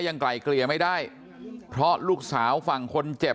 ไกลเกลี่ยไม่ได้เพราะลูกสาวฝั่งคนเจ็บ